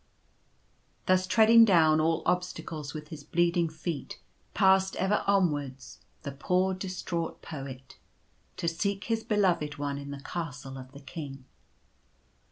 Thus treading down all obstacles with his bleeding feet, passed ever onwards, the poor distraught Poet, to seek his Beloved One in the Castle of the King.